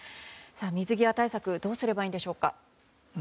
水際対策はどうすればいいんでしょうか。